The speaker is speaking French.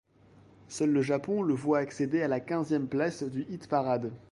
Seul le Japon le voit accéder à la quinzième place du hit-parade.